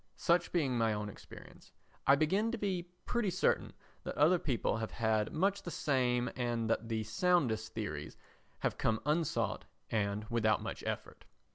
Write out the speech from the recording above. Such being my own experience, I begin to be pretty certain that other people have had much the same and that the soundest theories have come unsought and without much effort.